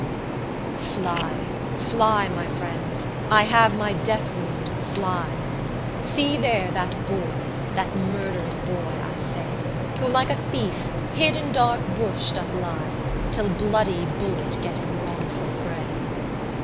20 Fly, fly, my friends, I have my death wound; fly! See there that boy, that murthering boy I say, Who like a thief, hid in dark bush doth lie, Till bloody bullet get him wrongful prey.